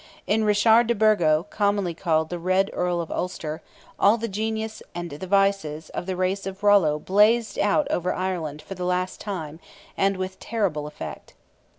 In Richard de Burgo, commonly called the Red Earl of Ulster, all the genius and the vices of the race of Rollo blazed out over Ireland for the last time, and with terrible effect.